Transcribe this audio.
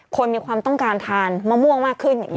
คนมีความต้องการทานมะม่วงมากขึ้น